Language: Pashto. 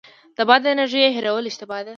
د باد انرژۍ هیرول اشتباه ده.